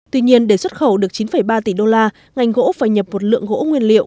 tuy nhiên để xuất khẩu được chín ba tỷ đô la ngành gỗ phải nhập một lượng gỗ nguyên liệu